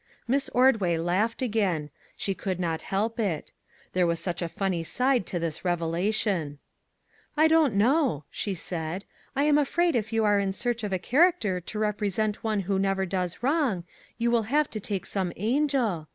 Miss Ordway laughed again; she could not help it; there was such a funny side to this revelation. " I don't know," she said. " I am afraid if you are in search of a character to represent one 158 SURPRISES who never does wrong 1 , you will have to take some angel.